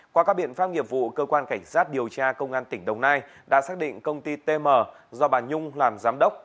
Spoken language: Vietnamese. qua các biện pháp nghiệp vụ cơ quan cảnh sát điều tra công an tỉnh đồng nai đã xác định công ty tm do bà nhung làm giám đốc